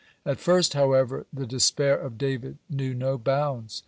(100) At first, however, the despair of David knew no bounds.